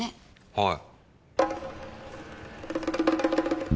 はい。